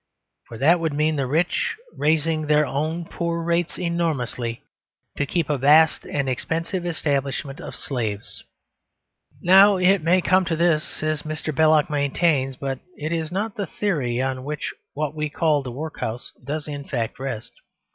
For that would mean the rich raising their own poor rates enormously to keep a vast and expensive establishment of slaves. Now it may come to this, as Mr. Belloc maintains, but it is not the theory on which what we call the workhouse does in fact rest.